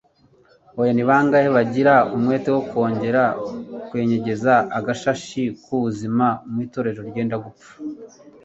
Oya! Ni bangahe bagira umwete wo kongera kwenyegeza agashashi k'ubuzima mu itorero ryenda gupfa!